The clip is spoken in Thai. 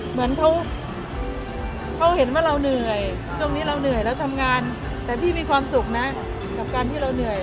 เหมือนเขาเห็นว่าเราเหนื่อยช่วงนี้เราเหนื่อยแล้วทำงานแต่พี่มีความสุขนะกับการที่เราเหนื่อย